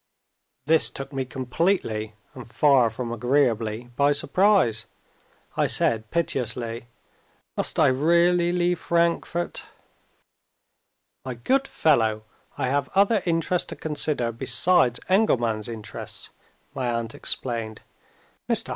This took me completely, and far from agreeably, by surprise. I said piteously, "Must I really leave Frankfort?" "My good fellow, I have other interests to consider besides Engelman's interests," my aunt explained. "Mr.